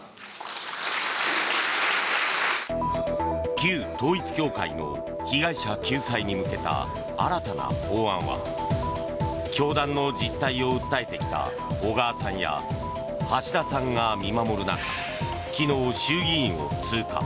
旧統一教会の被害者救済に向けた新たな法案は教団の実態を訴えてきた小川さんや橋田さんが見守る中昨日、衆議院を通過。